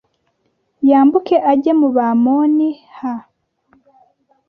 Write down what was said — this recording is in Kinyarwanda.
yambuke ajye mu Bamoni h